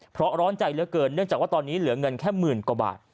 เพราะร้อนใจเหลือเกินเนื่องจากว่าตอนนี้เหลือเงินแค่หมื่นกว่าบาท